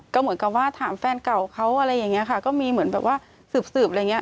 ก็เหมือนกับว่าถามแฟนเก่าเขาอะไรอย่างนี้ค่ะก็มีเหมือนแบบว่าสืบสืบอะไรอย่างเงี้